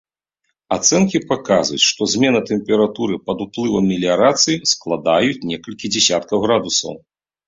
Ацэнкі паказваюць, што змена тэмпературы пад уплывам меліярацыі складаюць некалькі дзясяткаў градусаў.